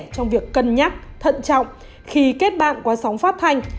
trong việc cân nhắc thận trọng khi kết bạn qua sóng phát thanh